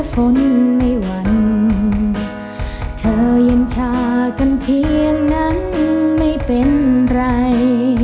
ฝนไม่หวั่นเธอเย็นชากันเพียงนั้นไม่เป็นไร